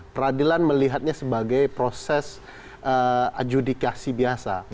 peradilan melihatnya sebagai proses adjudikasi biasa